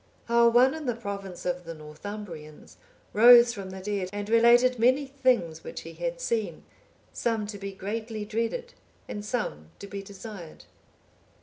How one in the province of the Northumbrians, rose from the dead, and related many things which he had seen, some to be greatly dreaded and some to be desired.